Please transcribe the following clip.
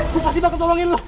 gua pasti bakal tolongin lu